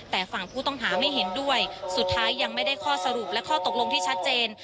แต่ฝั่งผู้ต้องหาไม่เห็นด้วยสุดท้ายยังไม่ได้ข้อสรุปและข้อตกลงที่ชัดเจน